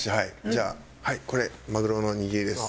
じゃあはいこれマグロの握りです。